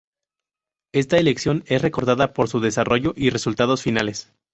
Esta elección es recordada por su desarrollo y resultados finales.